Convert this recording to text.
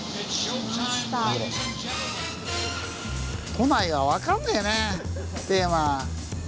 都内は分かんねえねテーマ。